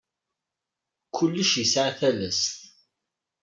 Kullec yesɛa talast.